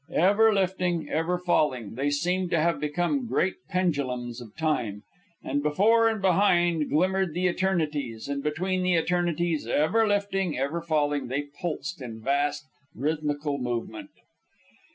Ever lifting, ever falling, they seemed to have become great pendulums of time. And before and behind glimmered the eternities, and between the eternities, ever lifting, ever falling, they pulsed in vast rhythmical movement.